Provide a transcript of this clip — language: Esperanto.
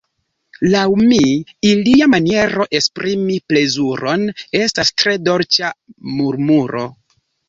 Laŭ mi, ilia maniero esprimi plezuron estas tre dolĉa murmuro.